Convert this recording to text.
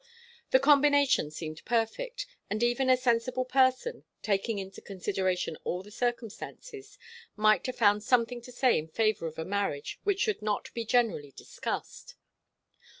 The combination seemed perfect, and even a sensible person, taking into consideration all the circumstances, might have found something to say in favour of a marriage which should not be generally discussed.